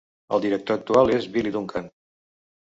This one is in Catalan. El director actual és Billy Duncan.